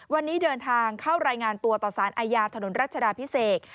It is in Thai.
วันนี้เดินทางเข้ารายงานตัวต่อสารอาญาถนนรัชดาพิเศษ